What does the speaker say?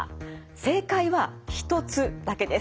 正解は１つだけです。